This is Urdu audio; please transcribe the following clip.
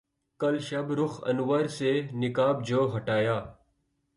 کل شب رخ انور سے نقاب جو ہٹایا